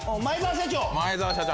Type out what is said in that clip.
前澤社長！